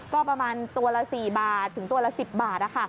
ก็ประมาณตัวละ๔บาทถึงตัวละ๑๐บาท